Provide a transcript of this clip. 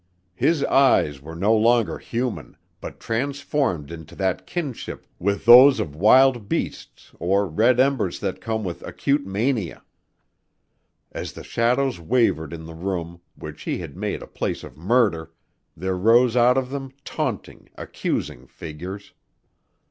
His eyes were no longer human, but transformed into that kinship with those of wild beasts or red embers that comes with acute mania. As the shadows wavered in the room which he had made a place of murder, there rose out of them taunting, accusing figures.